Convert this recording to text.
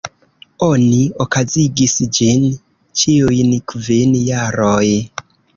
Oni okazigis ĝin ĉiujn kvin jaroj.